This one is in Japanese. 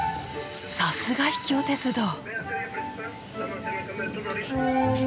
さすが秘境鉄道。